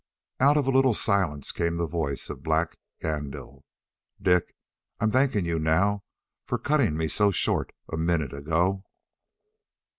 Out of a little silence came the voice of Black Gandil: "Dick, I'm thankin' you now for cuttin' me so short a minute ago."